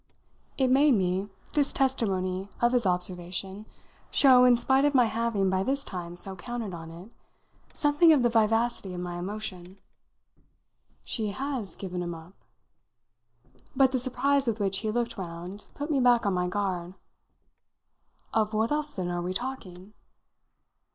It made me, this testimony of his observation, show, in spite of my having by this time so counted on it, something of the vivacity of my emotion. "She has given him up?" But the surprise with which he looked round put me back on my guard. "Of what else then are we talking?"